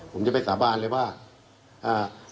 ผมจะไปสาบานเลยว่าอ่า